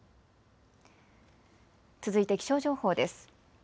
続いて気象情報です。